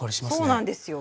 そうなんですよ。